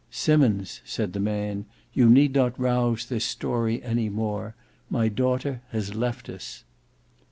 "Simmons," said the man, "you need not rouse this story any more; my daughter has left us."